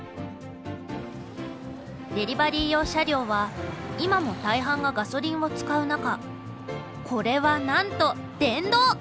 デリバリー用車両は今も大半がガソリンを使う中これはなんと電動！